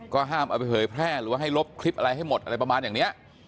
ห้ามเอาไปเผยแพร่หรือว่าให้ลบคลิปอะไรให้หมดอะไรประมาณอย่างนี้